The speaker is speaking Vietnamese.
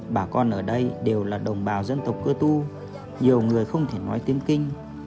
bà con ở đây đều là đồng bào dân tộc cơ tu nhiều người không thể nói tiếng kinh